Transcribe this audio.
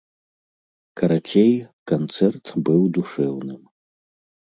Карацей, канцэрт быў душэўным.